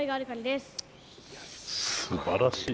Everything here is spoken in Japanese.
すばらしい。